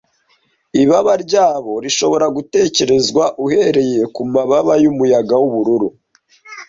ibaba ryabo rishobora gutekerezwa uhereye kumababa yumuyaga wubururu